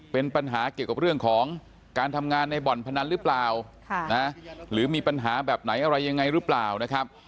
เป็นปัญหาเกี่ยวกับเรื่องของการทำงานในบ่อนพนันหรือเปล่าหรือมีปัญหาแบบไหนอะไรยังไงหรือเปล่านะครับ